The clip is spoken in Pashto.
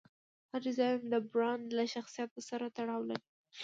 هر ډیزاین د برانډ له شخصیت سره تړاو لري.